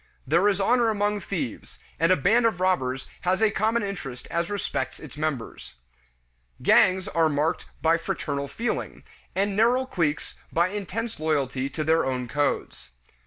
There is honor among thieves, and a band of robbers has a common interest as respects its members. Gangs are marked by fraternal feeling, and narrow cliques by intense loyalty to their own codes.